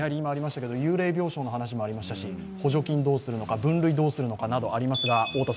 幽霊病床の話もありましたし補助金をどうするのか、分類をどうするのかなどありますが。